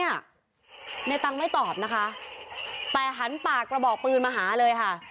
ในตังค์ไม่ตอบนะคะแต่หันปากกระบอกปืนมาหาเลยค่ะ